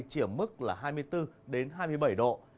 chỉ ở mức là hai mươi bốn hai mươi bảy độ